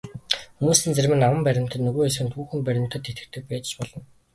Хүмүүсийн зарим нь аман баримтад, нөгөө хэсэг нь түүхэн баримтад итгэдэг байж ч болно.